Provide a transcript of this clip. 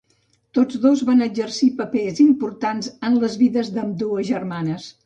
Tots dos van exercir papers importants en les vides d'ambdues germanes.